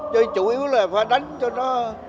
chứ chủ yếu là phải đánh cho nó